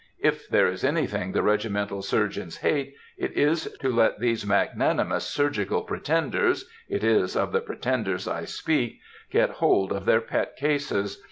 If there is anything the regimental surgeons hate, it is to let these magnanimous surgical pretenders (it is of the pretenders I speak) get hold of their pet cases.